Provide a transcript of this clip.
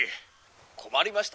「困りましたな。